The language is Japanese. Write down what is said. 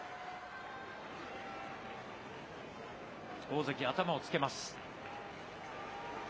大関、頭をつけます。